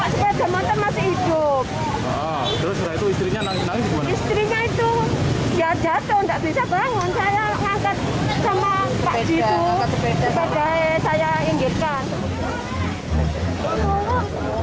saya ngangkat sama pak jitu sepeda saya inggirkan